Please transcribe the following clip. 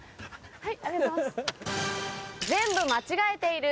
はい。